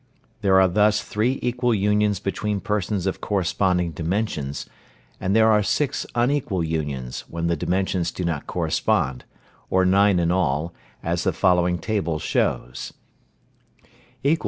There are thus three equal unions between persons of corresponding dimensions, and there are six unequal unions, when the dimensions do not correspond, or nine in all, as the following table shows: +++| EQUAL.